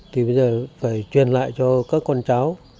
thì bây giờ phải truyền lại cho các con cháu